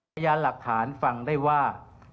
ทรยายลักษณ์ฟังได้ว่า